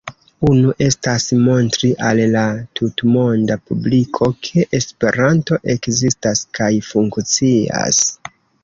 Unu estas montri al la tutmonda publiko, ke Esperanto ekzistas kaj funkcias.